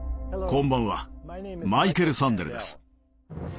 こんばんはマイケル・サンデルです。